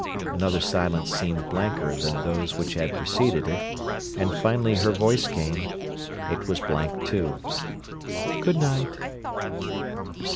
Another silence seemed blanker than those which had preceded it, and finally her voice came—it was blank, too. "Good night."